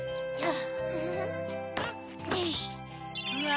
うわ！